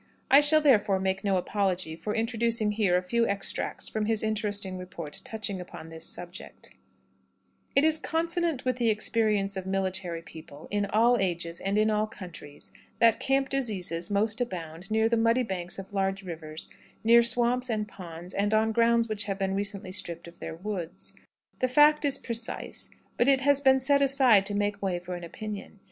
I shall therefore make no apology for introducing here a few extracts from his interesting report touching upon this subject: "It is consonant with the experience of military people, in all ages and in all countries, that camp diseases most abound near the muddy banks of large rivers, near swamps and ponds, and on grounds which have been recently stripped of their woods. The fact is precise, but it has been set aside to make way for an opinion.